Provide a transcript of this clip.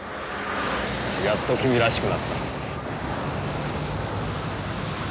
やっと君らしくなった。